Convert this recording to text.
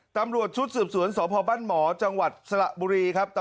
ตำรวจชุดสืบสวนสพบ้านหมอจังหวัดสระบุรีครับ